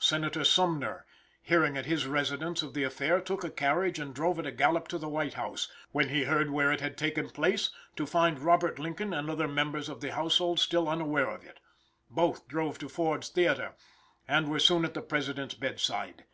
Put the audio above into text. Senator Sumner, hearing at his residence, of the affair took a carriage and drove at a gallop to the White House, when he heard where it had taken place, to find Robert Lincoln and other members of the household still unaware of it. Both drove to Ford's Theater, and were soon at the President's bedside.